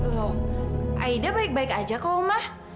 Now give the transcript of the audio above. loh aida baik baik saja kau ma